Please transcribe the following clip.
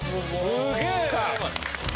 すげえ！